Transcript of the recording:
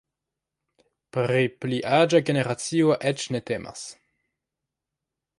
Pri pli aĝa generacio eĉ ne temas.